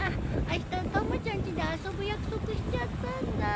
あしたたまちゃんちで遊ぶ約束しちゃったんだ。